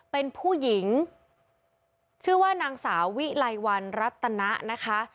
เป็นผู้หญิงชื่อว่านางสาววิไลวันรัตนะนะคะ